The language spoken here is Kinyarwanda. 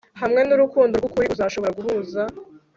Hamwe nurukundo rwukuri uzashobora guhuza